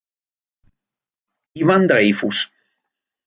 Ivan Dreyfus